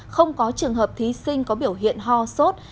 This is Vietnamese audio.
không có trường hợp thí sinh có biểu hiện ho sốt